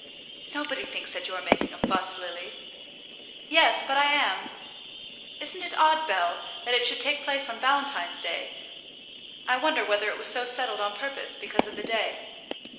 "Nobody thinks that you are making a fuss, Lily." "Yes, but I am. Isn't it odd, Bell, that it should take place on Valentine's day? I wonder whether it was so settled on purpose, because of the day.